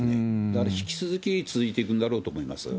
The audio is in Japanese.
だから引き続き続いていくんだろうと思います。